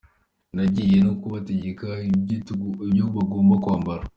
Nagiye no kubategeka ibyo bagomba kwambara????